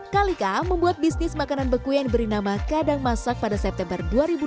kalika membuat bisnis makanan beku yang diberi nama kadang masak pada september dua ribu dua puluh